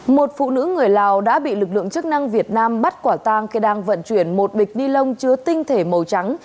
một phụ nữ người lào đã bị lực lượng chức năng việt nam bắt quả tang khi đang vận chuyển một bịch ni lông chứa tinh thể màu trắng